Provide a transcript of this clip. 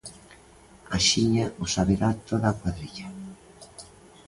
Axiña o saberá toda a cuadrilla.